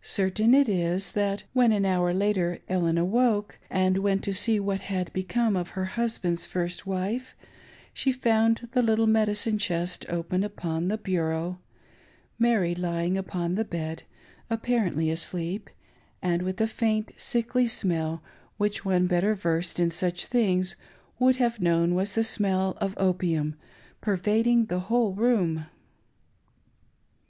Certain it is, that when, an hour later, Ellen awoke and went to see what had become of her husband's first wife, she found the little medicine chest open upon the bureau, Mary lying upon the bed, apparently asleep, and a faint sickly smell, which one better versed in such things would have known was the smell of opium, per vading the whole room.